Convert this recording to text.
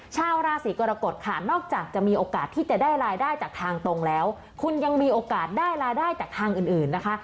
ชาวราศีกรกฎค่ะนอกจากจะมีโอกาสที่จะได้รายได้จากทางตรงแล้วคุณยังมีโอกาสได้รายได้จากทางอื่นนะคะ